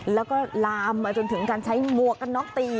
แล้วก็ลามมาจนถึงการใช้หมวกกันน็อกตี